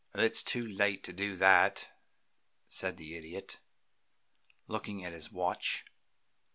"It is too late to do that," said the Idiot, looking at his watch.